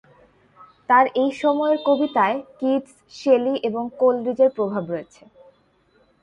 তাঁর এই সময়ের কবিতায় কিটস, শেলি এবং কোলরিজের প্রভাব রয়েছে।